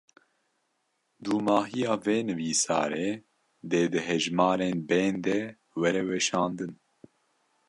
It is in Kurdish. Dûmahiya vê nivîsarê, dê di hejmarên bên de were weşandin